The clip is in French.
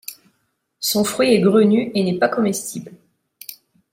Son fruit est grenu et n'est pas comestible.